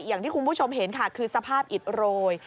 อย่างที่คุณผู้ชมเห็นค่ะคือสภาพอิดโรย